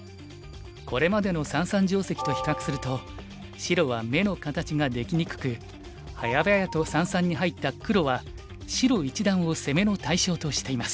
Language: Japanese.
これまでの三々定石と比較すると白は眼の形ができにくくはやばやと三々に入った黒は白一団を攻めの対象としています。